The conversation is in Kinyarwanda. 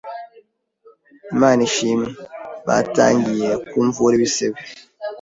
Imana ishimwe! Batangiey kumvura ibisebe,